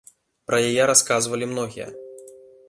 Пра яе расказвалі многія.